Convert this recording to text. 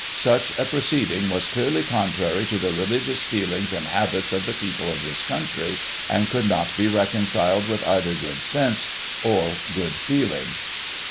Such a proceeding was clearly contrary to the religious feelings and habits of the people of this country, and could not be reconciled with either good sense, or good feeling."